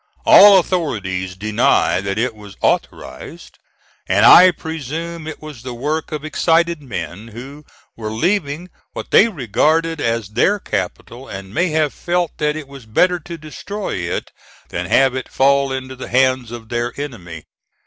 All authorities deny that it was authorized, and I presume it was the work of excited men who were leaving what they regarded as their capital and may have felt that it was better to destroy it than have it fall into the hands of their enemy.